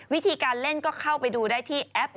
วิธีการเล่นก็เข้าไปดูได้ที่แอป